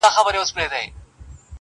له مشرقه تر مغربه له شماله تر جنوبه!!